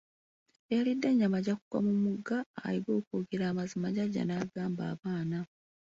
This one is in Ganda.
Eyalidde ennyama agyakugwa mu mugga, ayige okwogera amazima, jjaja n'agamba abaana.